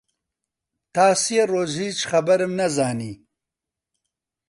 تا سێ ڕۆژ هیچ خەبەرم نەزانی